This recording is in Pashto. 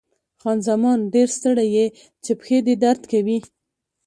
خان زمان: ډېر ستړی یې، چې پښې دې درد کوي؟